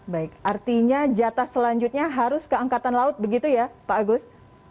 baik artinya jatah selanjutnya harus ke angkatan laut begitu ya pak agus